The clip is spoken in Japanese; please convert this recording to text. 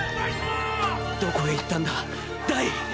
どこへ行ったんだダイ！